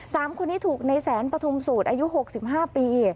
สามคนที่ถูกในแสนปฐุมสูตรอายุ๖๕ปี